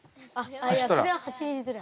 それは走りづらい。